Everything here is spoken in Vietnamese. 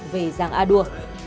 về giang a đua